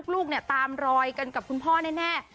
ลูกเนี่ยตามรอยกันกับคุณพ่อแน่